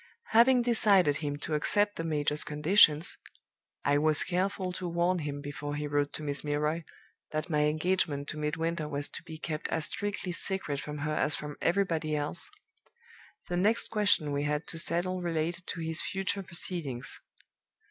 "Having decided him to accept the major's conditions (I was careful to warn him, before he wrote to Miss Milroy, that my engagement to Midwinter was to be kept as strictly secret from her as from everybody else), the next question we had to settle related to his future proceedings.